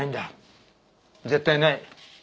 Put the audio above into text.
絶対にない。